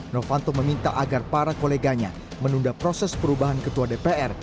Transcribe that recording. novanto meminta agar para koleganya menunda proses perubahan ketua dpr